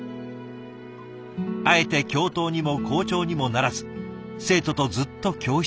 あえて教頭にも校長にもならず生徒とずっと教室で。